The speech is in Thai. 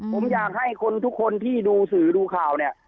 ผมอยากให้คนทุกคนที่ดูสื่อดูข่าวเนี่ย